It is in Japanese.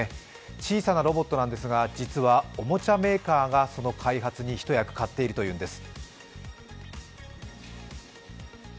小さなロボットなんですが、実はおもちゃメーカーがその開発に一役買っているというんです。